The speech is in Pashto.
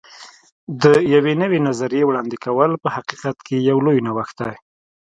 د یوې نوې نظریې وړاندې کول په حقیقت کې یو لوی نوښت دی.